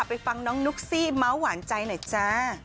ไปฟังน้องนุ๊กซี่เมาส์หวานใจหน่อยจ้า